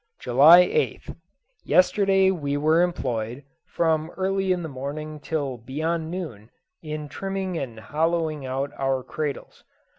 July 8th. Yesterday we were employed, from early in the morning till beyond noon, in trimming and hollowing out our cradles.